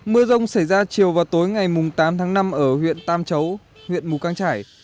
mưa rông xảy ra chiều vào tối ngày tám tháng năm ở huyện tam chấu huyện mù căng trải